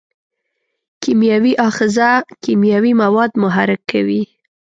کیمیاوي آخذه کیمیاوي مواد محرک کوي.